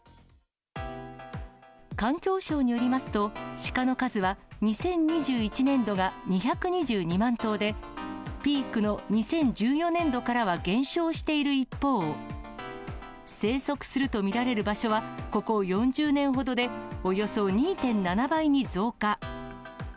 環境省によりますと、シカの数は２０２１年度が２２２万頭で、ピークの２０１４年度からは減少している一方、生息すると見られる場所は、ここ４０年ほどでおよそ２．７倍に増加。